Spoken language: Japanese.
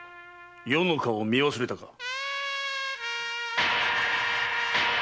余の顔を見忘れたか？